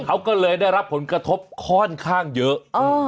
เขาก็เลยได้รับผลกระทบค่อนข้างเยอะ